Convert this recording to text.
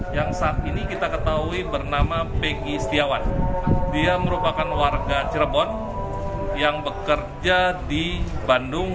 yang saat ini kita ketahui bernama pgy setiawan dia merupakan warga cirebon yang bekerja di bandung